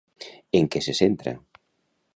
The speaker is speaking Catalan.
En què se centra?